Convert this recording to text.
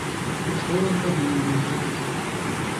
Што ён павінен быў зрабіць?